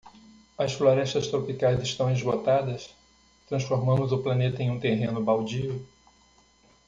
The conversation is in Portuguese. As florestas tropicais estão esgotadas? transformamos o planeta em um terreno baldio.